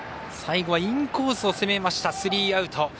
最後はインコースを攻めましたスリーアウト。